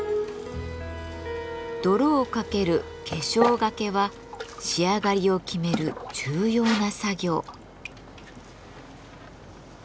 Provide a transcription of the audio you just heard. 泥をかける化粧がけは仕上がりを決める重要な作業。